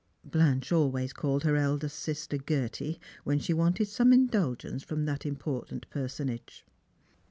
Blanche always called her eldest sister "Gerty" when she wanted some indulgence from that important personage.